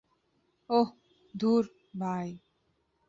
ওহ, ধুর, ভাই।